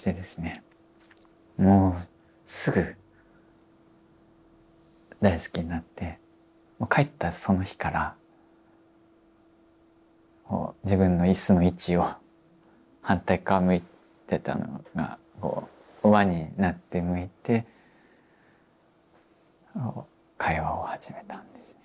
もうすぐ大好きになって帰ったその日から自分の椅子の位置を反対側向いてたのが輪になって向いて会話を始めたんですね。